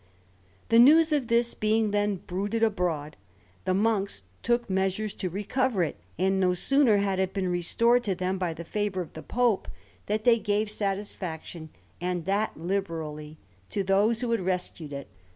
The news of this being then bruited abroad, the monks took measures to recover it, and no sooner had it been restored to them, by the favour of the Pope, than they gave satisfaction, and that liberally, to those who had rescued it.